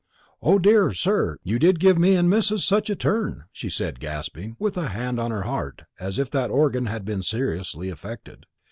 "Oh, dear, sir, you did give me and missus such a turn!" she said, gasping, with her hand on her heart, as if that organ had been seriously affected.